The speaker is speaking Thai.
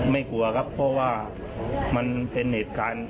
กลัวครับเพราะว่ามันเป็นเหตุการณ์